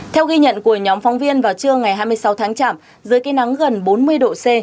theo ghi nhận của nhóm phóng viên vào trưa ngày hai mươi sáu tháng chạm dưới cây nắng gần bốn mươi độ c